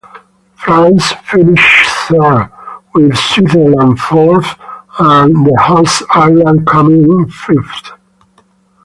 France finished third, with Switzerland fourth and the hosts Ireland coming in fifth.